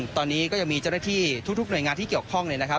ตอนนี้ก็ยังมีเจ้าแรกตีทุกหน่วยงานที่เกี่ยวข้อง